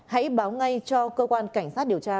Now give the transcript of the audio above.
hãy báo ngay cho cơ quan cảnh sát điều tra